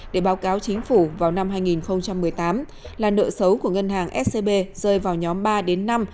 để báo cáo chính phủ vào năm hai nghìn một mươi tám là nợ xấu của ngân hàng scb rơi vào nhóm ba đến năm